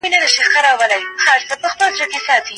د ابن خلدون نظریات ولولئ.